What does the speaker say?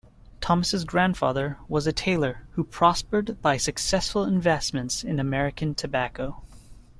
Thomas' grandfather was a tailor, who prospered by successful investments in American tobacco.